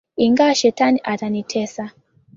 Ingawa Shetani atanitesa